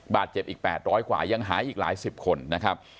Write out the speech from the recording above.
บาดเจ็บอีก๘๐๐กว่ายังหายอีกหลายสิบคนนะครับ